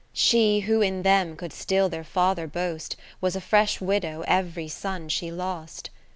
She, who in them could still their father boast, Was a fresh widow every son she lost.